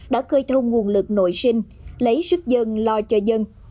đã khơi thông nguồn lực nội sinh lấy sức dân lo cho dân